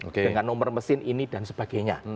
dengan nomor mesin ini dan sebagainya